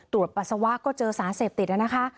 ตรวจปัสสาวะก็เจอสารเสพติดอย่างนั้นนะคะ